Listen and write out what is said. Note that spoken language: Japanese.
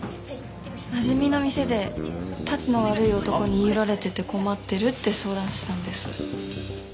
なじみの店でたちの悪い男に言い寄られてて困ってるって相談したんです。